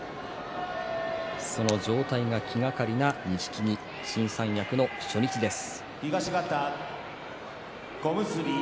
その状態が気がかりな錦木新三役の初日です。